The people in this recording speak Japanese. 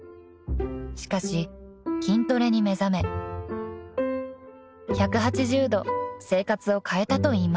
［しかし筋トレに目覚め１８０度生活を変えたといいます］